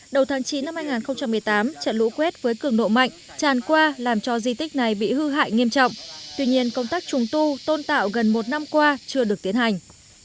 đầu tháng chín năm hai nghìn một mươi tám trận lũ quét với cường độ mạnh tràn qua làm cho di tích này bị hư hại nghiêm trọng tuy nhiên công tác trùng tu tôn tạo gần một năm qua chưa được tiến hành